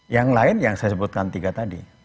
yang lain yang saya sebutkan tiga tadi